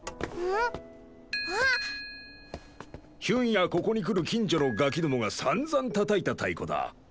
ヒュンやここに来る近所のガキどもがさんざんたたいた太鼓だ。